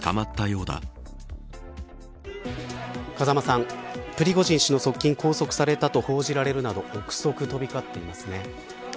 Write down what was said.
風間さん、プリゴジン氏の側近が拘束されたと報じられるなど臆測が飛び交っていますね。